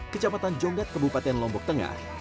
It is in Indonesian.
kecamatan jonggat kebupaten lombok tengah